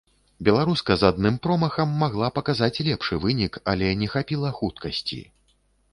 Беларуска з адным промахам магла паказаць лепшы вынік, але не хапіла хуткасці.